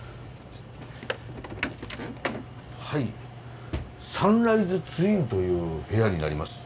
はいサンライズツインという部屋になります。